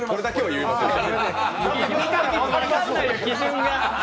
分かんないよ、基準が。